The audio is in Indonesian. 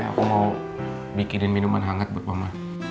aku mau bikinin minuman hangat buat mama